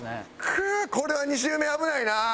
くうこれは２周目危ないなあ。